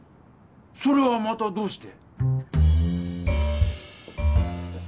それはまたどうして？